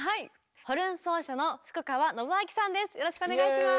ホルン奏者の福川伸陽さんです。